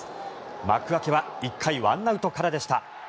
幕開けは１回、１アウトからでした。